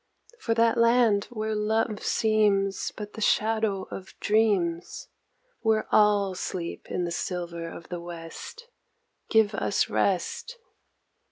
For that land where love seems But the shadow of dreams, Where all sleep in the silver of the West, give us rest.